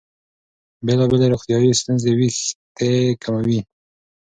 بېلابېلې روغتیايي ستونزې وېښتې کموي.